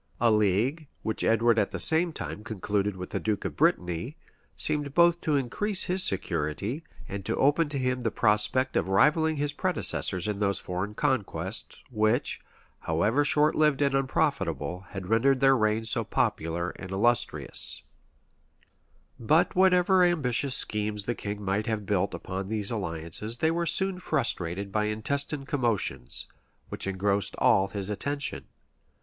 [] A league, which Edward at the same time concluded with the duke of Brittany, seemed both to increase his security, and to open to him the prospect of rivalling his predecessors in those foreign conquests, which, however short lived and unprofitable, had rendered their reigns so popular and illustrious.[] * Comine's, liv. iii. chap. 4, 6. W. Wyrcester, p. 5. Parl. Hist. vol. ii. p. 332. Hall, fol. 169, 197. {1469.} But whatever ambitious schemes the king might have built on these alliances, they were soon frustrated by intestine commotions, which engrossed all his attention.